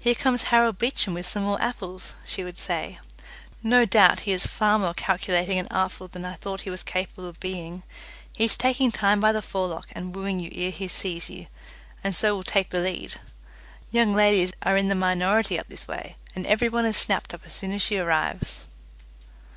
"Here comes Harry Beecham with some more apples," she would say. "No doubt he is far more calculating and artful than I thought he was capable of being. He is taking time by the forelock and wooing you ere he sees you, and so will take the lead. Young ladies are in the minority up this way, and every one is snapped up as soon as she arrives."